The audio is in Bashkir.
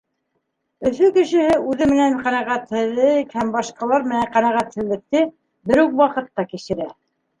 Өфө кешеһе үҙе менән ҡәнәғәтһеҙлек һәм башҡалар менән ҡәнәғәтһеҙлекте бер үк ваҡытта кисерә.